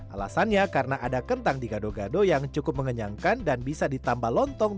alasannya karena ada kentang di gado gado yang cukup mengenyangkan dan bisa ditambah lontong